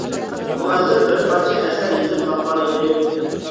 — مۇئەللىم، بىر پارچە ئەسەر يېزىپ باققانىدىم.